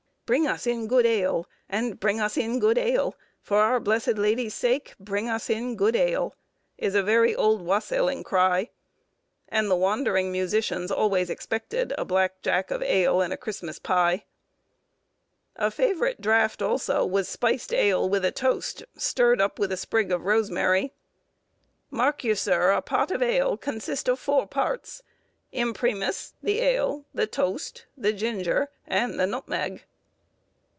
— "Bryng us in good ale, and bryng us in good ale, For our blyssd Lady sake, bring us in good ale," is a very old wassailing cry, and the wandering musicians always expected a black jack of ale and a Christmas pye. A favourite draught, also, was spiced ale with a toast, stirred up with a sprig of rosemary,—"Mark you, sir, a pot of ale consists of four parts: imprimis, the ale, the toast, the ginger, and the nutmeg."